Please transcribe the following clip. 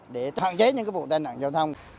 để hạn chế những cái container giao thông